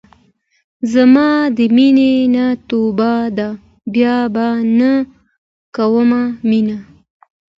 زما د مينې نه توبه ده بيا به نۀ کوم مينه